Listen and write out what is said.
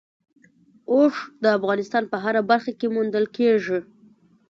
اوښ د افغانستان په هره برخه کې موندل کېږي.